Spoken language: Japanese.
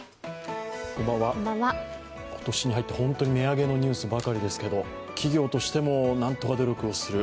今年に入って本当に値上げのニュースばかりですけれども企業としても何とか努力をする。